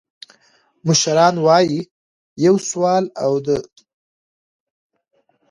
مشران وایي: یو سوال او د کونې کار مه کوه.